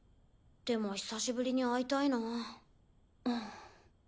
でも久しぶりに会いたいな。